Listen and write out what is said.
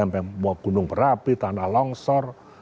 sampai gunung berapi tanah longsor